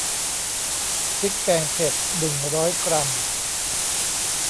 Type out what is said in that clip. พริกแกงเผ็ด หนึ่งร้อยกรัม